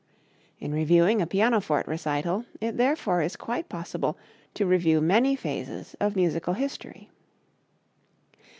In reviewing a pianoforte recital it therefore is quite possible to review many phases of musical history.